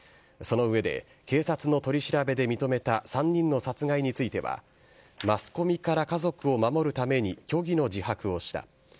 その上で、警察の取り調べで認めた３人の殺害については、マスコミから家族を守るために虚偽の自白をした。